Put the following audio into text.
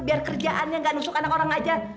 biar kerjaannya gak nusuk anak orang aja